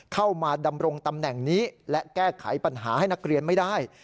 เข้ามาดำรงตำแหน่งนี้และแก้ไขปัญหาให้นักเรียนไม่ได้